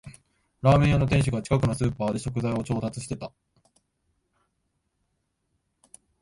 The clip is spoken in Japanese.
ラーメン屋の店主が近くのスーパーで食材を調達してた